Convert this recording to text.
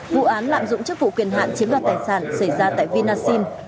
vụ án lạm dụng chức vụ quyền hạn chiếm đoạt tài sản xảy ra tại vinasin